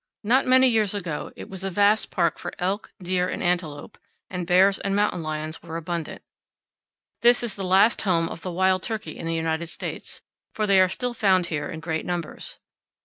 Not many years ago it was a vast park for elk, deer, and antelope, and bears and mountain lions were abundant. This is the last home of the wild turkey in the powell canyons 17.jpg WINGATE CLIFF. United States, for they are still found here in great numbers.